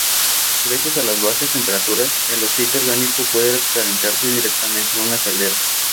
Gracias a las bajas temperaturas, el aceite orgánico puede calentarse directamente en una caldera.